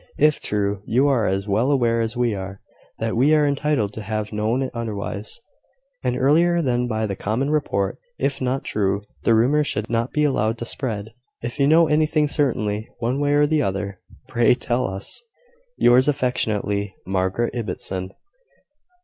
If true, you are as well aware as we are that we are entitled to have known it otherwise and earlier than by common report. If not true, the rumour should not be allowed to spread. If you know anything certainly, one way or the other, pray tell us. "Yours affectionately, "Margaret Ibbotson."